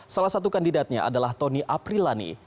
salah satu kandidatnya adalah tony aprilani